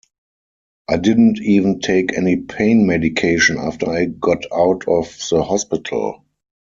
I didn't even take any pain medication after I got out of the hospital.